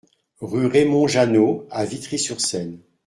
Rue Raymond Jeannot à Vitry-sur-Seine